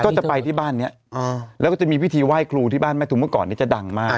ก็จะไปที่บ้านนี้แล้วก็จะมีพิธีไหว้ครูที่บ้านแม่ทุมเมื่อก่อนนี้จะดังมาก